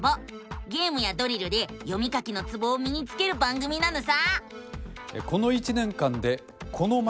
ゲームやドリルで読み書きのツボをみにつける番組なのさ！